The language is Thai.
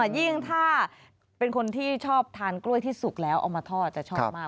ยิ่งถ้าเป็นคนที่ชอบทานกล้วยที่สุกแล้วเอามาทอดจะชอบมาก